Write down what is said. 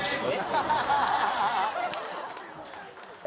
ハハハハ。